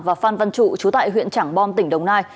và phan văn trụ chú tại huyện trảng bom tỉnh đồng nai